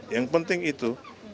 yang penting itu